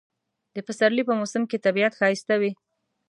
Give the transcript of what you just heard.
د پسرلی په موسم کې طبیعت ښایسته وي